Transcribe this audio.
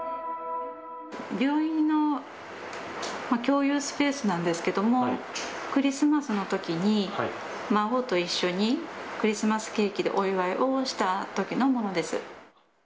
病院の共有スペースなんですけども、クリスマスのときに、孫と一緒に、クリスマスケーキでお祝いをしたときのものです。